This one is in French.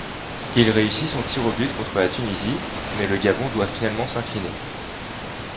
Il réussit son tir-au-but contre la Tunisie, mais le Gabon doit finalement s’incliner.